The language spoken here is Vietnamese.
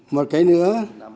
một cái nữa